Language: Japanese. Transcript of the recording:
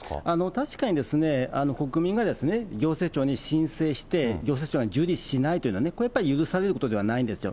確かに、国民が行政庁に申請して、行政庁が受理しないというのはね、これやっぱり許されることではないんですよ。